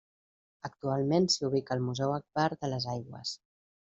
Actualment s'hi ubica el Museu Agbar de les Aigües.